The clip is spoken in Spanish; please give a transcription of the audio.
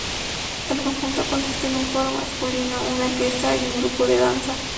El conjunto consiste en un coro masculino, una orquesta y un grupo de danza.